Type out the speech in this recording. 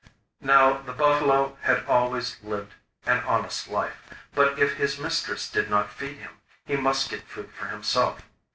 Now the buffalo had always lived an honest life, but if his mistress did not feed him, he must get food for himself.